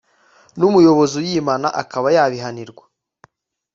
n’umuyobozi uyimana akaba yabihanirwa